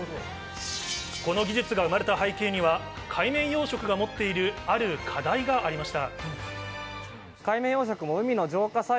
この技術が生まれた背景には海面養殖が持っているある課題がありました。